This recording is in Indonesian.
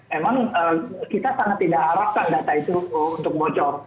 memang kita sangat tidak harapkan data itu untuk bocor